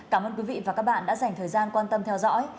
cảm ơn quý vị và các bạn đã dành thời gian quan tâm theo dõi